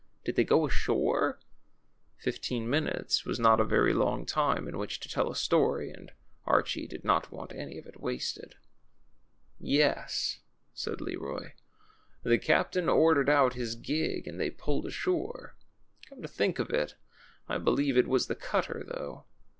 Did they go ashore?" Fifteen minutes was not a very long time in which to tell a story, and Archie did not want any of it wasted. Yes," said Leroy; ^Hhe captain ordered out his gig and they pulled ashore. Come to think of it, I believe it was the cutter, though.